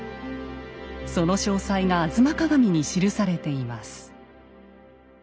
その詳細が「吾妻鏡」に記されています。